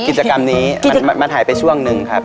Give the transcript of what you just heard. กิจกรรมนี้มันหายไปช่วงหนึ่งครับ